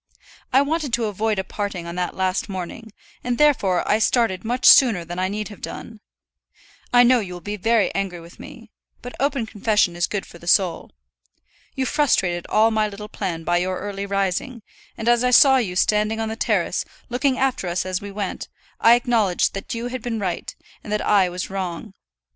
I wanted to avoid a parting on that last morning, and therefore I started much sooner than I need have done. I know you will be very angry with me; but open confession is good for the soul. You frustrated all my little plan by your early rising; and as I saw you standing on the terrace, looking after us as we went, I acknowledged that you had been right, and that I was wrong.